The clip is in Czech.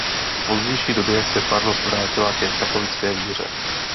V pozdější době se farnost vrátila ke katolické víře.